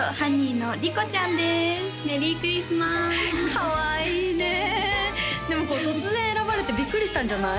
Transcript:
かわいいねでも突然選ばれてビックリしたんじゃない？